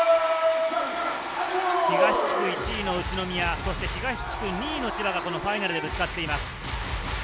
東地区１位の宇都宮、そして東地区２位の千葉がファイナルでぶつかっています。